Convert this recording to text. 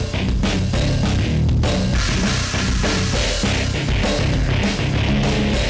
pemiripan kamu pun kayaknya musiciansoku ya